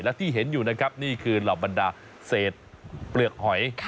และที่เห็นอยู่นะครับนี่คือเหล่าบรรดาเศษเปลือกหอย